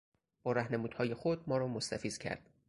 با رهنمودهای خود ما را مستفیض کرد.